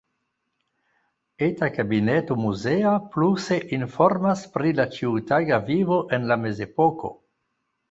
Eta kabineto muzea pluse informas pri la ĉiutaga vivo en la mezepoko.